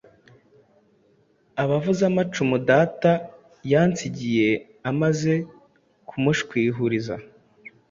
Abavuzamacumu data yansingiye Amaze kumushwishuriza